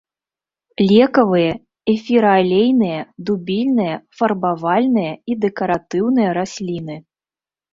Лекавыя, эфіраалейныя, дубільныя, фарбавальныя і дэкаратыўныя расліны.